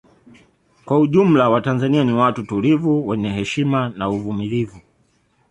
Kwa ujumla watanzania ni watu tulivu wenye heshima na uvumulivu